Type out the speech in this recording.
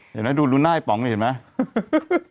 เดี๋ยวนะดูหน้าพี่ป๋องนี่เห็นไหม